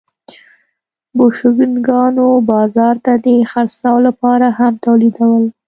بوشونګانو بازار ته د خرڅلاو لپاره هم تولیدول